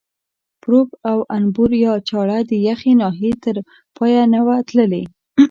پروب او انبور یا چاړه د یخې ناحیې تر پایه نه وه تللې.